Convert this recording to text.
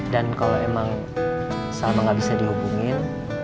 dan kalau emang salma gak bisa dihubungin